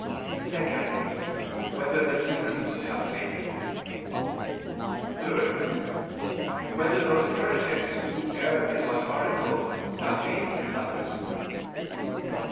(2) Whether the demons have faith? (3) Whether those heretics who err in one article, have faith in others?